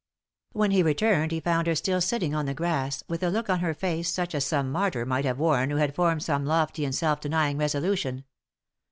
When be returned he found her still sitting on the grass, with a look on her face such as some martyr might have worn who had formed some lofty and self denying resolution.